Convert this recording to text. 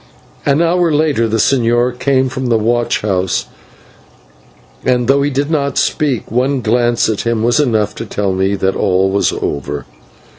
An hour later the señor came from the watch house, and though he did not speak, one glance at him was enough to tell me that all was over.